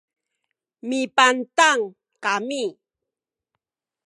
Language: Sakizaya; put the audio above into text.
mipantang kami